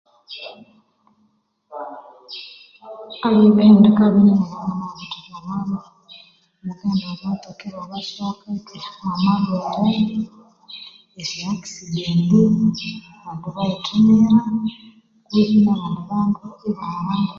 Ebihendeka nibinene ebinamabirithalhabamo mukaghenda omwa matoka ibabasoka amalhwere esya akisidenti abandu ibayithinira kwihi nabandi bandu ibaholhaa